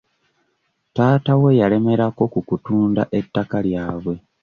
Taata we yalemerako ku kutunda ettaka lyabwe.